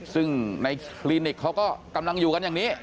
ซึ่งในคลินิกเขาก็กำลังอยู่กันอย่างนี้